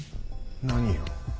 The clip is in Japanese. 何を？